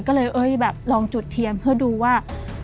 ก็เลยลองจุดเทียมเพื่อดูว่า